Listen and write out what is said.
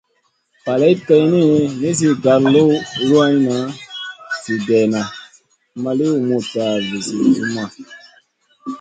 Faleyd geyni, nizi gar luanʼna zi dena ma li humutna vizi zumma.